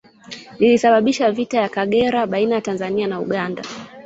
Lilisababisha vita ya Kagera baina ya Tanzania na Uganda